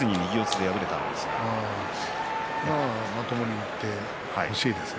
まともにいってほしいですね。